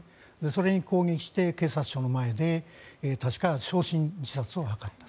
それに攻撃して警察署の前で確か焼身自殺を図った。